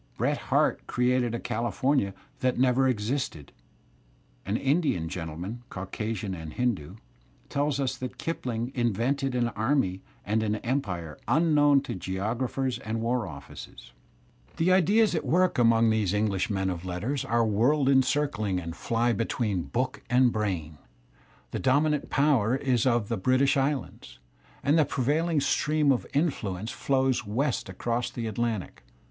Bret Harte created a California that never existed, and Indian gentlemen, Caucasian and Hindoo, tell us that Kipling invented an army and an empire unknown to geographers and war offices. The ideas at work among these English men of letters Digitized by Google GENERAL CHARACTERISTICS 7 are world encircling and fly between book and brain. TheTj dominant power is on the British Islands, and the prevail y ing stream of influence flows west across the Atlantic!